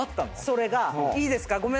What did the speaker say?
それがいいですか？